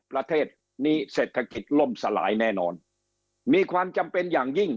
ประเทศนี้เศรษฐกิจล่มสลายแน่นอนมีความจำเป็นอย่างยิ่ง